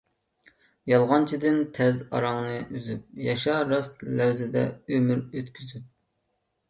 يالغانچىدىن تەز ئاراڭنى ئۈزۈپ، ياشا راست لەۋزدە ئۆمۈر ئۆتكۈزۈپ.